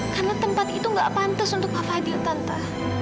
karena tempat itu gak pantas untuk kak fadil tante